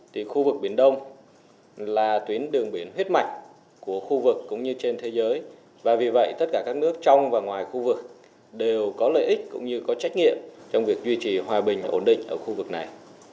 như có trách nhiệm trong việc duy trì hòa bình và ổn định ở khu vực này